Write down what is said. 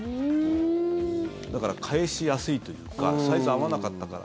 だから返しやすいというかサイズ合わなかったから。